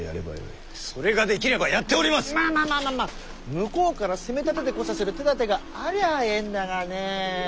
向こうから攻めたててこさせる手だてがありゃあええんだがね。